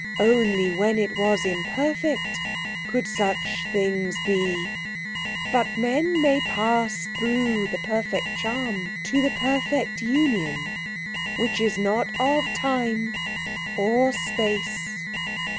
Only when it was imperfect could such things be. But men may pass through the perfect charm to the perfect union, which is not of time or space."